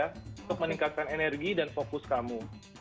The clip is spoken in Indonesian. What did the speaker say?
untuk meningkatkan energi dan fokus kamu